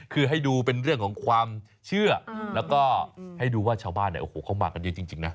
คือให้ดูเป็นเรื่องของความเชื่อแล้วก็ให้ดูว่าชาวบ้านเนี่ยโอ้โหเข้ามากันเยอะจริงนะ